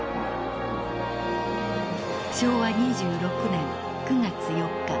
昭和２６年９月４日。